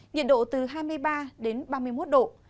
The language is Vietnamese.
nhiệt độ từ hai mươi ba đến ba mươi một độ